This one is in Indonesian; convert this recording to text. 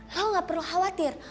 lo gak perlu khawatir